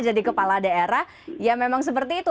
jadi kepala daerah ya memang seperti itu